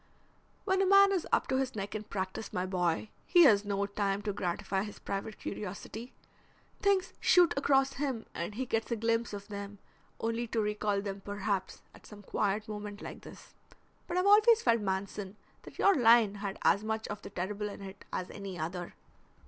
"When a man is up to his neck in practice, my boy, he has no time to gratify his private curiosity. Things shoot across him and he gets a glimpse of them, only to recall them, perhaps, at some quiet moment like this. But I've always felt, Manson, that your line had as much of the terrible in it as any other."